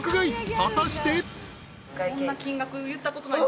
［果たして］何？